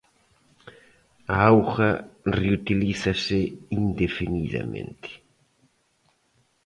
A auga reutilízase indefinidamente.